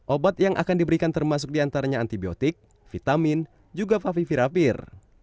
obat yang akan diberikan termasuk diantaranya antibiotik vitamin juga favivirapir